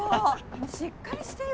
しっかりしてよ